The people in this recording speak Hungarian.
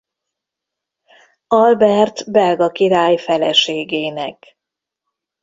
Albert belga király feleségének.